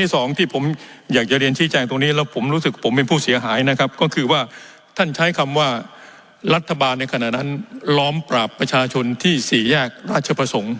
ที่สองที่ผมอยากจะเรียนชี้แจงตรงนี้แล้วผมรู้สึกผมเป็นผู้เสียหายนะครับก็คือว่าท่านใช้คำว่ารัฐบาลในขณะนั้นล้อมปราบประชาชนที่สี่แยกราชประสงค์